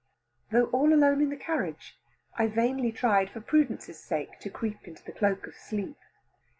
Though all alone in the carriage, I vainly tried for prudence' sake to creep into the cloak of sleep.